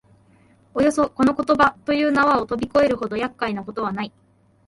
およそこの言葉という縄をとび越えるほど厄介なことはない